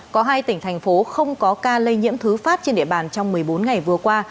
có hai tỉnh thành phố không có ca lây nhiễm thứ phát trên địa bàn trong một mươi bốn ngày vừa qua